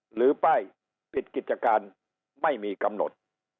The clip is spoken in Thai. หรือป้ายปิดกิจการไม่มีกำหนด